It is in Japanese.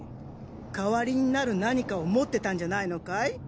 代わりになる何かを持ってたんじゃないのかい？